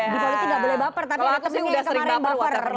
di politik gak boleh baper tapi ada temennya yang kemarin baper